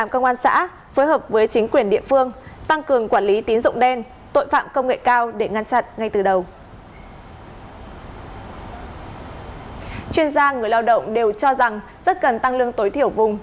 chuyên gia người lao động đều cho rằng rất cần tăng lương tối thiểu vùng